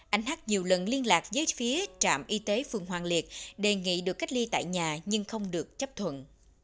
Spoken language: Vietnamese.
anh hát nhiều lần liên lạc với phía trạm y tế phường hoàng liệt đề nghị được cách ly tại nhà nhưng không được chấp thuận